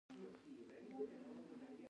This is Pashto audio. زه خپل وخت نه ضایع کوم.